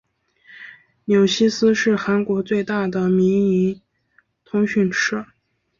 纽西斯是韩国最大的民营通讯社。